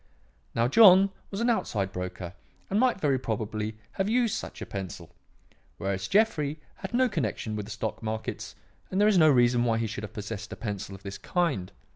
Now John was an outside broker and might very probably have used such a pencil, whereas Jeffrey had no connection with the stock markets and there is no reason why he should have possessed a pencil of this kind.